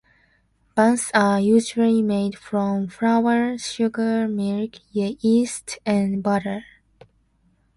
Buns are usually made from flour, sugar, milk, yeast and butter.